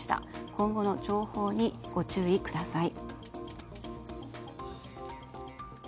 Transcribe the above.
今後の情報にご注意ください。